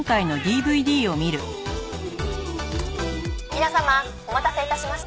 「皆様お待たせ致しました」